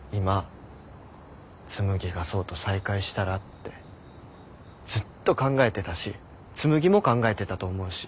今紬が想と再会したらってずっと考えてたし紬も考えてたと思うし。